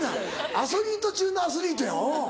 アスリート中のアスリートや。